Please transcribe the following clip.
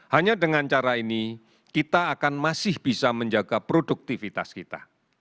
hanya dengan cara ini kita akan masih bisa menjaga produktivitas kita